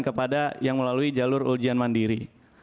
kepada yang melalui jalur ujian mandiri